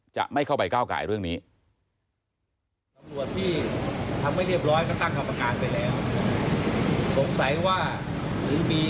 จะไม่เข้าไปก้าวกายเรื่องนี้